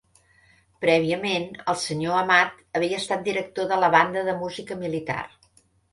Prèviament, el senyor Amat havia estat director de la banda de música militar.